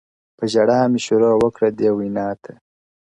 په ژړا مي شروع وکړه دې ویناته،